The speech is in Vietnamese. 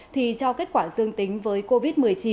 thì cho kết quả dương tính với covid một mươi chín